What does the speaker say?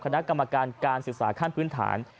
คณะกรรมการการศึกษาขั้นพื้นฐาน